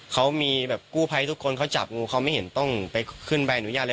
เขามีแบบกู้ภัยทุกคนเขาจับงูเขาไม่เห็นต้องไปขึ้นใบอนุญาตเลย